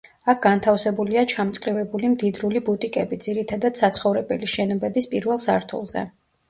აქ განთავსებულია და ჩამწკრივებული მდიდრული ბუტიკები, ძირითადად საცხოვრებელი შენობების პირველ სართულზე.